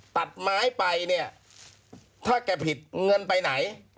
ตัดไม้ไปเนี่ยถ้าแกผิดเงินไปไหน